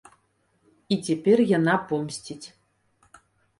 І цяпер яна помсціць.